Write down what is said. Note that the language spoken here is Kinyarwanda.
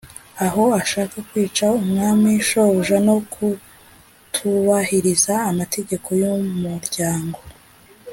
aho ashaka kwica umwami shobuja no kutubahiriza amategeko y umuryango